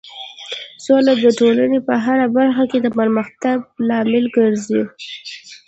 سوله د ټولنې په هر برخه کې د پرمختګ لامل ګرځي.